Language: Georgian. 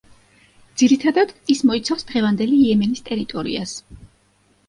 ძირითადად ის მოიცავს დღევანდელი იემენის ტერიტორიას.